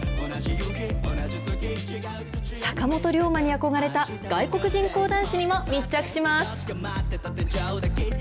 坂本龍馬に憧れた外国人講談師にも密着します。